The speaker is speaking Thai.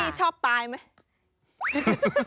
พี่ชอบตายไหม